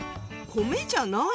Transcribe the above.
米じゃない。